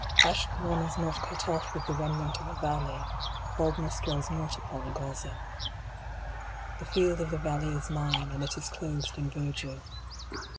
A SHKELON is not cut off with the remnant of a valley. Baldness dwells not upon Gaza. The field of the valley is mine, and it is clothed in ver dure.